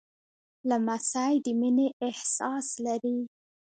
لمسی د مینې احساس لري.